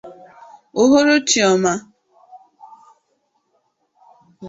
uhuruchi ọma